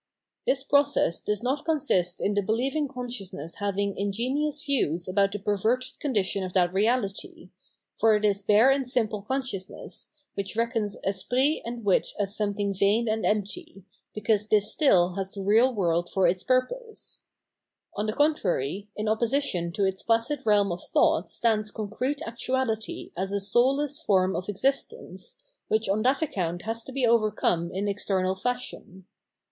This process does not consist in the beheving conscious ness having ingenious views about the perverted condition of that reahty; for it is bare and simple * The God man, Christ. f God as Absolute Spirit and Subject. 642 Phenomenology oj Mini, consciousness, which, reckons esprit and wit as some thing vain and empty, because this still has the real world for its purpose. On the contrary, in opposition to its placid realm of thought stands concrete actuality as a souUess form of existence, which on that account has to be overcome in external fashion.